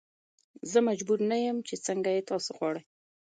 زه مجبور نه یم چې څنګه یې تاسو غواړئ.